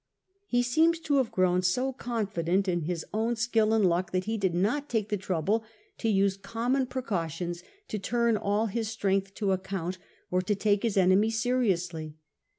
He seems to have grown so confident in his 333 CMSm own skill and luck that he did not take the trouble to use common precautions, to turn all his strength to account, or to take his enemies seriously.